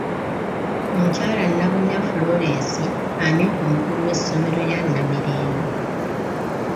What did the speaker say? Omukyala Nabunnya Florence amyuka omukulu w'essomero lya Namirembe.